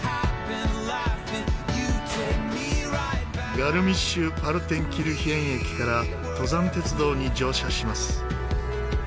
ガルミッシュ・パルテンキルヒェン駅から登山鉄道に乗車します。